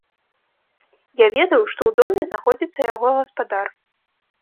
Я ведаў, што ў доме знаходзіцца яго гаспадар.